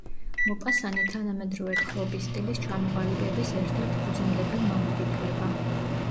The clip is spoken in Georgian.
მოპასანი თანამედროვე თხრობის სტილის ჩამოყალიბების ერთ-ერთ ფუძემდებელ მამად ითვლება.